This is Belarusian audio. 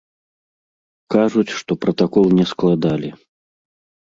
Кажуць, што пратакол не складалі.